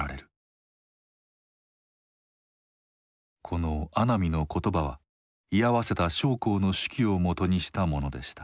この阿南の言葉は居合わせた将校の手記をもとにしたものでした。